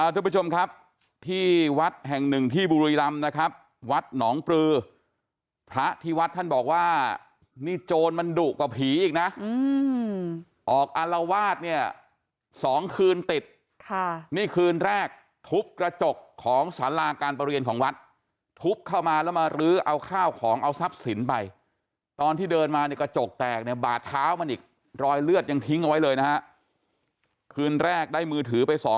ทุกผู้ชมครับที่วัดแห่งหนึ่งที่บุรีรำนะครับวัดหนองปลือพระที่วัดท่านบอกว่านี่โจรมันดุกว่าผีอีกนะออกอารวาสเนี่ย๒คืนติดค่ะนี่คืนแรกทุบกระจกของสาราการประเรียนของวัดทุบเข้ามาแล้วมารื้อเอาข้าวของเอาทรัพย์สินไปตอนที่เดินมาเนี่ยกระจกแตกเนี่ยบาดเท้ามันอีกรอยเลือดยังทิ้งเอาไว้เลยนะฮะคืนแรกได้มือถือไปสอง